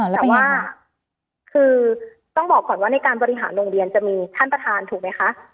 แต่ว่าคือต้องบอกก่อนว่าในการบริหารโรงเรียนจะมีท่านประธานถูกไหมคะ